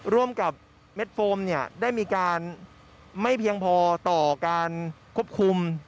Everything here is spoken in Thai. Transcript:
ร่วมกับเม็ดโฟมเนี่ยได้มีการไม่เพียงพอต่อการควบคุม